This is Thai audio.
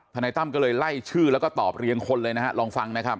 นายตั้มก็เลยไล่ชื่อแล้วก็ตอบเรียงคนเลยนะฮะลองฟังนะครับ